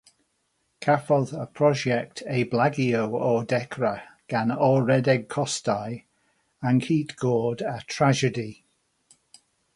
Cafodd y prosiect ei blagio o'r dechrau gan or-redeg costau, anghytgord a thrasiedi.